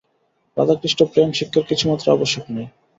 রাধাকৃষ্ণ-প্রেম শিক্ষার কিছুমাত্র আবশ্যক নাই।